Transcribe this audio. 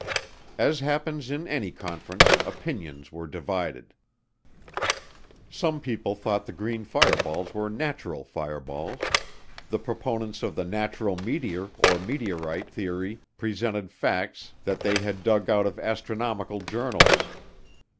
As happens in any conference, opinions were divided. Some people thought the green fireballs were natural fireballs. The proponents of the natural meteor, or meteorite, theory presented facts that they had dug out of astronomical journals.